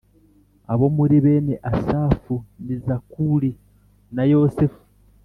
Abo muri bene Asafu ni Zakuri na Yosefu